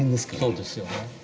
そうですよね。